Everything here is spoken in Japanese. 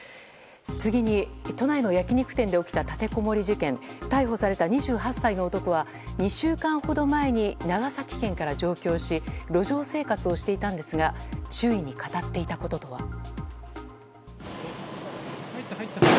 次に、都内の焼き肉店で起きた立てこもり事件逮捕された２８歳の男は２週間ほど前に長崎県から上京し路上生活をしていたんですが周囲に語っていたこととは？